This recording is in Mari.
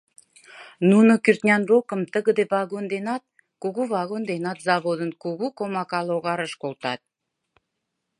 Нуно кӱртнян рокым тыгыде вагон денат, кугу вагон денат заводын кугу комака логарыш колтат.